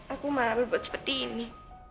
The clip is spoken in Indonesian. aku malah berbuat seperti ini